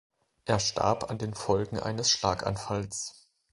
Er starb an den Folgen eines Schlaganfalls.